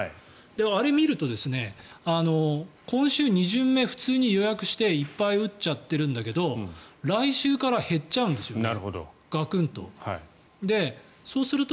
あれを見ると今週２巡目、普通に予約していっぱい打っちゃってるんだけど来週から減っちゃうんですよね